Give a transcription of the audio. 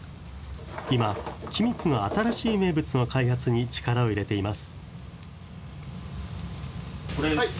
今、君津の新しい名物の開発に力を入れています。